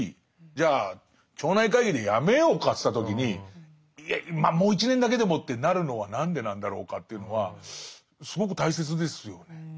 じゃあ町内会議でやめようかっていった時に「まあもう１年だけでも」ってなるのは何でなんだろうかというのはすごく大切ですよね。